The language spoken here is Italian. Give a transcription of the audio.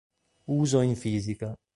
Uso in fisica